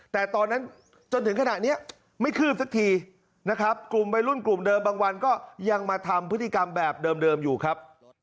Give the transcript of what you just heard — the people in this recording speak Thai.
แต่ตอนนั้นจนถึงขณะนี้ไม่คืบสักทีนะครับกลุ่มวัยรุ่นกลุ่มเดิมบางวันก็ยังมาทำพฤติกรรมแบบเดิมอยู่ครับ